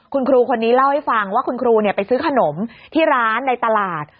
คุณครูคนนี้เล่าให้ฟังว่าคุณครูไปซื้อขนมที่ร้านในตลาด